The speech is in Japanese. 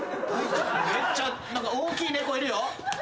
めっちゃ大きい猫いるよ。